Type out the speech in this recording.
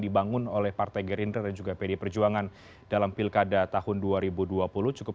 dibangun oleh partai gerindra dan juga pd perjuangan dalam pilkada tahun dua ribu dua puluh cukup